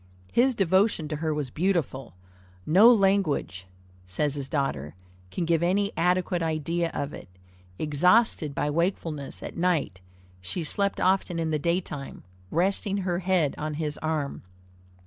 His devotion to her was beautiful. "No language," says his daughter, "can give any adequate idea of it. Exhausted by wakefulness at night, she slept often in the daytime, resting her head on his arm.